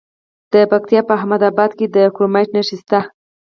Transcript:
د پکتیا په احمد اباد کې د کرومایټ نښې شته.